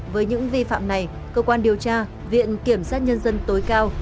với những vi phạm này cơ quan điều tra viện kiểm sát nhân dân tối cao